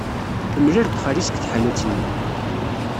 Temlal-d xali-s deg tḥanut-nni.